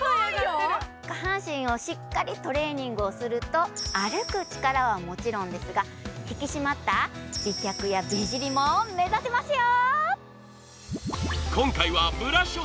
下半身をしっかりトレーニングすると歩く力はもちろんですか、引き締まった美脚や美尻も目指せますよ。